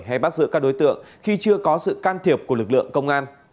hay bắt giữ các đối tượng khi chưa có sự can thiệp của lực lượng công an